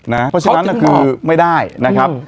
เพราะฉะนั้นคือไม่ได้นะครับ